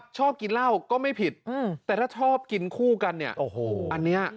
ชอบกินเหล้าก็ไม่ผิดแต่ถ้าชอบกินคู่กันเนี่ยโอ้โหอันนี้